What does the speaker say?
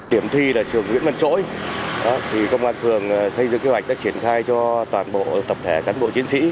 tiểm thi là trường nguyễn văn trỗi công an phường xây dựng kế hoạch đã triển khai cho toàn bộ tập thể cán bộ chiến sĩ